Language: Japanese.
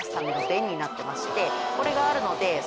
これがあるので。